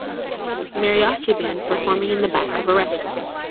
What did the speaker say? A Mariachi band performing in the back of a restaurant.